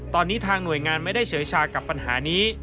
ตอนนี้ทางหน่วยงานไม่ได้เฉยชากับปัญหานี้